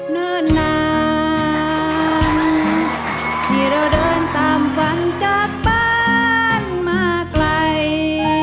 เดินนานที่เราเดินตามฝันจากบ้านมาไกล